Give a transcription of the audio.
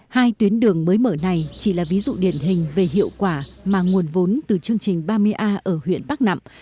hai tuyến đường mới mở này chỉ là ví dụ điển hình về hiệu quả mà nguồn vốn từ chương trình ba mươi a ở huyện bắc nẵm